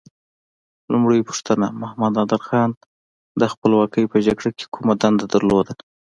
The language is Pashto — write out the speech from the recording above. لومړۍ پوښتنه: محمد نادر خان د خپلواکۍ په جګړه کې کومه دنده درلوده؟